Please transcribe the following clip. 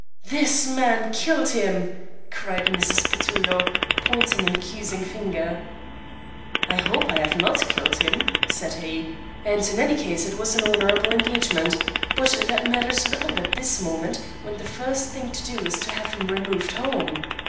"This man killed him," cried Mrs. Petullo, pointing an accusing finger. "I hope I have not killed him," said he, "and in any case it was an honourable engagement; but that matters little at this moment when the first thing to do is to have him removed home.